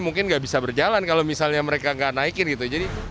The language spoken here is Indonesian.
mungkin nggak bisa berjalan kalau misalnya mereka nggak naikin gitu